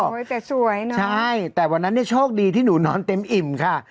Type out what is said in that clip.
แต่สวยเนอะใช่แต่วันนั้นเนี่ยโชคดีที่หนูนอนเต็มอิ่มค่ะ